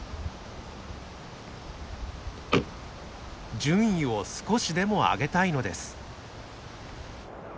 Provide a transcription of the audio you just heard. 順位を少しでも上げたいのです。